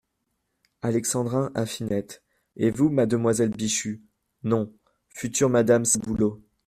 Alexandrin , à Finette. — Et vous, mademoiselle Bichu,… non, future madame Saboulot ?